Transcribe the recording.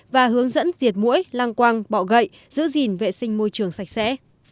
và hướng dẫn diệt mũi lăng quang bọ gậy giữ gìn vệ sinh môi trường sạch sẽ